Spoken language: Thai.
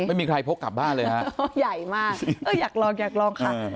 ไม่มีใครพกกลับบ้านเลยฮะใหญ่มากเอออยากลองอยากลองค่ะ